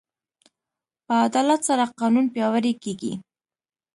په عدالت سره قانون پیاوړی کېږي.